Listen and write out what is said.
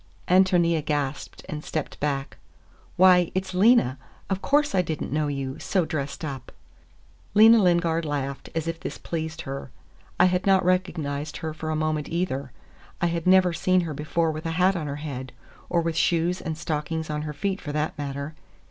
Ántonia gasped and stepped back. "Why, it's Lena! Of course I did n't know you, so dressed up!" Lena Lingard laughed, as if this pleased her. I had not recognized her for a moment, either. I had never seen her before with a hat on her head—or with shoes and stockings on her feet, for that matter.